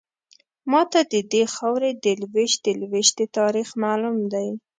ماته ددې خاورې د لویشتې لویشتې تاریخ معلوم دی.